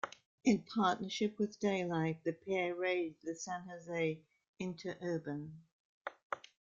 In partnership with Daylight, the pair raided the San Jose Interurban.